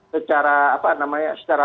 secara apa namanya secara